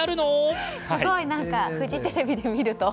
すごい、何かフジテレビで見ると。